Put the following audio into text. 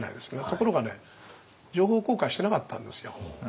ところがね情報公開してなかったんですよ。